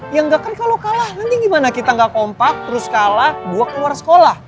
ya nggak keri kalau kalah nanti gimana kita gak kompak terus kalah gue keluar sekolah